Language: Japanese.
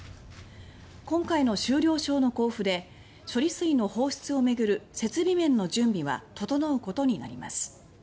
今回の終了証の交付で処理水の放出を巡る設備面の準備は整うことになります。